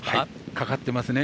かかってますね。